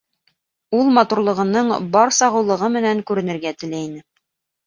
Ул матурлығының бар сағыулығы менән күренергә теләй ине.